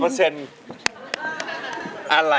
อาจเป็นตัวประหละ